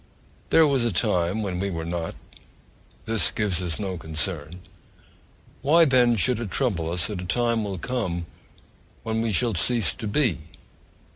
There was a time when we were not: this gives us no concern why, then, should it trouble us that a time will come when we shall cease to be?